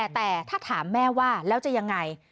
แต่ถ้าถามแม่ว่าแล้วจะยังไง